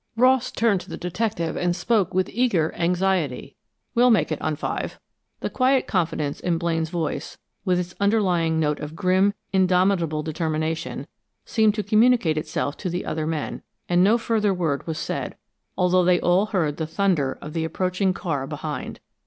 Ross turned to the detective, and spoke with eager anxiety. "We'll make it on five." The quiet confidence in Blaine's voice, with its underlying note of grim, indomitable determination, seemed to communicate itself to the other men, and no further word was said, although they all heard the thunder of the approaching car behind.